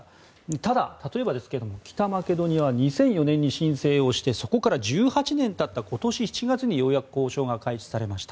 ただ、例えばですけれども北マケドニアは２００４年に申請をしてそこから１８年経った今年７月にようやく交渉が開始されました。